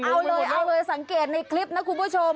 เอาเลยเอาเลยสังเกตในคลิปนะคุณผู้ชม